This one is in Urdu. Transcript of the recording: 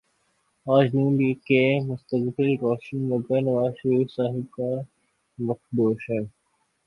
آج نون لیگ کا مستقبل روشن مگر نوازشریف صاحب کا مخدوش ہے